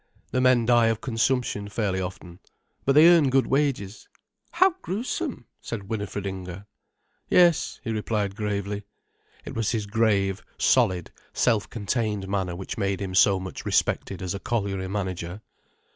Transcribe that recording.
The men die of consumption fairly often. But they earn good wages." "How gruesome!" said Winifred Inger. "Yes," he replied gravely. It was his grave, solid, self contained manner which made him so much respected as a colliery manager.